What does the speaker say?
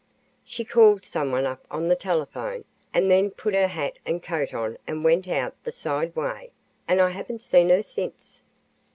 "She called someone up on the telephone, and then put her hat and coat on and went out the side way, and I haven't seen her since."